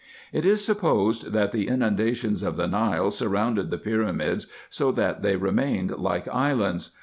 It is supposed, that the inundation of the Nile surrounded the pyramids, so that they remained like islands.